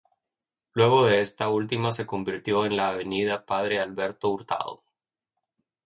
Luego esta última se convirtió en la Avenida Padre Alberto Hurtado.